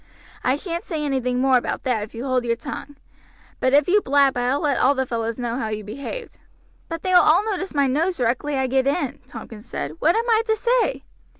I shan't say anything more about that if you hold your tongue; but if you blab I will let all the fellows know how you behaved." "But they will all notice my nose directly I get in," Tompkins said. "What am I to say?"